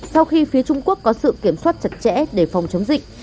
sau khi phía trung quốc có sự kiểm soát chặt chẽ để phòng chống dịch